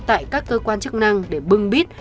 tại các cơ quan chức năng để bưng bít